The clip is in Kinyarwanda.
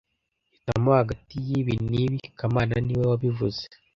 Hitamo hagati yibi n'ibi kamana niwe wabivuze